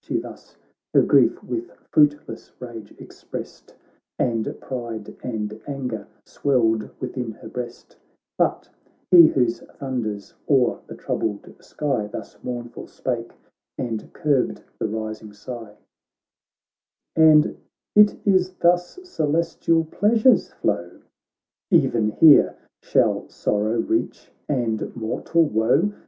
She thus her grief with fruitless rage expressed. And pride and anger swelled within her breast. But he whose thunders awe the troubled sky Thus mournful spake, and curbed the rising sigh :' And it is thus celestial pleasures flow ? E'en here shall sorrow reach and mortal woe